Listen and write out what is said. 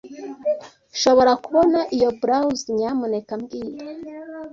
Nshobora kubona iyo blouse, nyamuneka mbwira